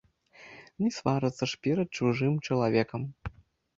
Не сварыцца ж перад чужым чалавекам.